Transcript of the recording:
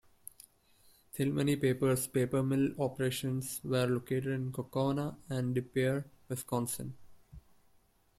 Thilmany Papers paper mill operations were located in Kaukauna and De Pere, Wisconsin.